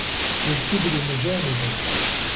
لِلْكِبْرِ مُجَانِبًا